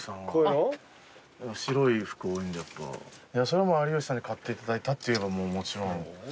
それはもう有吉さんに買っていただいたって言えばもちろん。